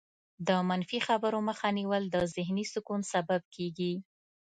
د منفي خبرو مخه نیول د ذهني سکون سبب کېږي.